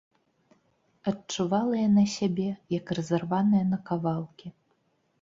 Адчувала яна сябе, як разарваная на кавалкі.